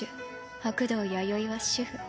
白道八宵は主婦。